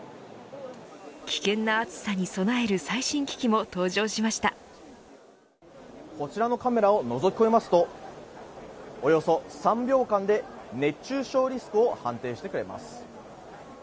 危険な暑さに備えるこちらのカメラをのぞき込みますとおよそ３秒間で熱中症リスクを判定してくれます。